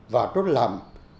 và nó làm